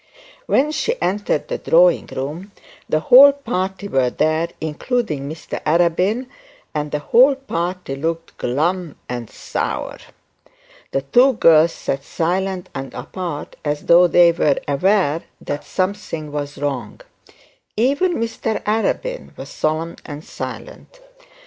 When she entered the drawing room the whole party were there, including Mr Arabin, and the whole party looked glum and sour. The two girls sat silent and apart as though they were aware that something was wrong. Even Mr Arabin was solemn and silent.